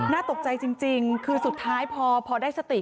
น่าตกใจจริงคือสุดท้ายพอได้สติ